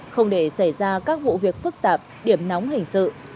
không để xảy ra các vụ việc phức tạp điểm nóng hình sự